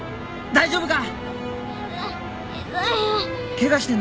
大丈夫か？